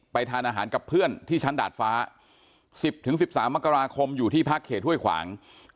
ทานอาหารกับเพื่อนที่ชั้นดาดฟ้า๑๐๑๓มกราคมอยู่ที่พักเขตห้วยขวาง